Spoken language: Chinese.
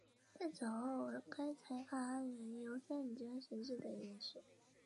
但此后该财阀仍以三菱集团的形式得以延续。